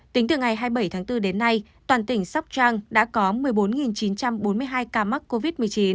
tính từ ngày hai mươi bảy tháng bốn đến nay toàn tỉnh sóc trăng đã có một mươi bốn chín trăm bốn mươi hai ca mắc covid một mươi chín